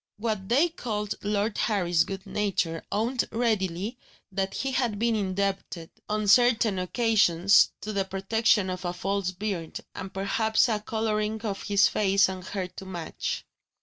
What they called Lord Harry's good nature owned readily that he had been indebted, on certain occasions, to the protection of a false beard, And perhaps a colouring of his face and hair to match.